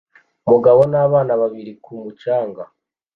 Umugabo n'abana babiri ku mucanga